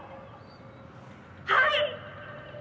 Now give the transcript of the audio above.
「はい！」